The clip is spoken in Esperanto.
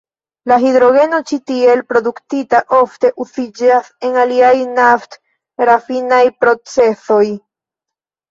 La hidrogeno ĉi tiel produktita ofte uziĝas en aliaj naft-rafinaj procezoj.